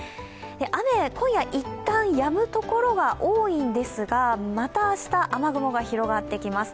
雨、今夜いったんやむところは多いんですがまた明日、雨雲が広がってきます。